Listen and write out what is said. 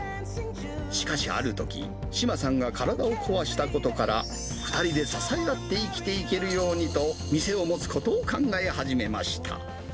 しかしあるとき、志麻さんが体を壊したことから、２人で支え合って生きていけるようにと、店を持つことを考え始めました。